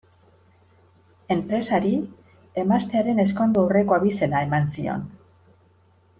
Enpresari emaztearen ezkondu aurreko abizena eman zion.